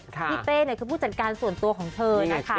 พี่เต้คือผู้จัดการส่วนตัวของเธอนะคะ